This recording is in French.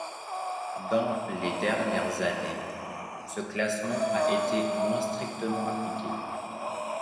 Dans les dernières années, ce classement a été moins strictement appliqué.